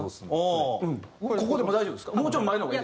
どこでも大丈夫です。